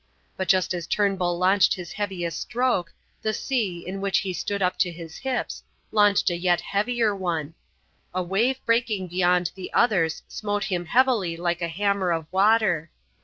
But just as Turnbull launched his heaviest stroke, the sea, in which he stood up to his hips, launched a yet heavier one. A wave breaking beyond the others smote him heavily like a hammer of water.